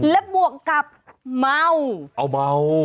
และบวกกับเมาเอาเมา